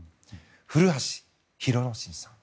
古橋廣之進さん。